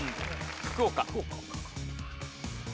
福岡。